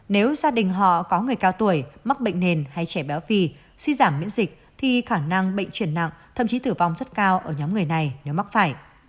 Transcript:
nếu gia đình họ có người cao tuổi mắc bệnh nền hay trẻ béo phì suy giảm miễn dịch thì khả năng bệnh chuyển nặng thậm chí tử vong rất cao ở nhóm người này nếu mắc phải